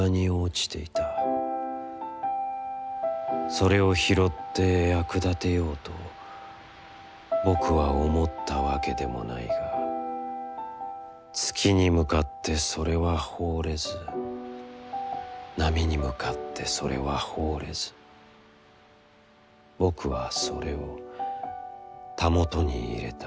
それを拾って、役立てようと僕は思ったわけでもないが月に向かってそれは抛れず浪に向かってそれは抛れず僕はそれを、袂に入れた。